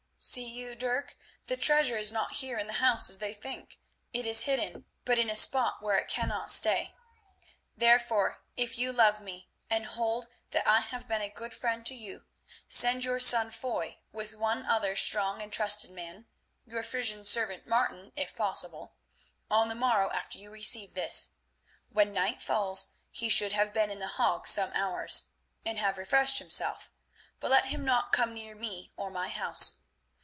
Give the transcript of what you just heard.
"See you, Dirk, the treasure is not here in the house as they think. It is hidden, but in a spot where it cannot stay. "Therefore, if you love me, and hold that I have been a good friend to you, send your son Foy with one other strong and trusted man—your Frisian servant, Martin, if possible—on the morrow after you receive this. When night falls he should have been in The Hague some hours, and have refreshed himself, but let him not come near me or my house.